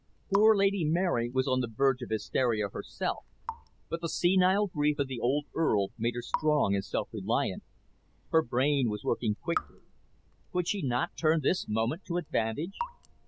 Poor Lady Mary was on the verge of hysteria herself, but the senile grief of the old Earl made her strong and self reliant. Her brain was working quickly. Could she not turn this moment to advantage?